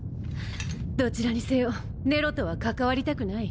どちらにせよネロとは関わりたくない。